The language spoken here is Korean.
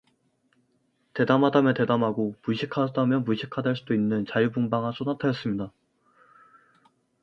대담하다면 대담하고 무식하다면 무식하달 수도 있는 자유 분방한 소나타였습니다.